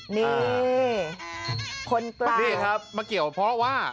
นี่คนแปลกนี่ครับมาเกี่ยวเพราะว่า